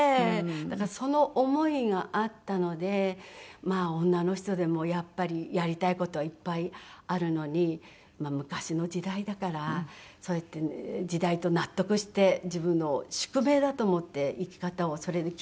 だからその思いがあったので女の人でもやっぱりやりたい事はいっぱいあるのに昔の時代だからそうやって時代と納得して自分の宿命だと思って生き方をそれに決めるしかなかったけど。